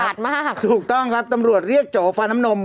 อาดมากถูกต้องครับตำรวจเรียกโจฟันน้ำนม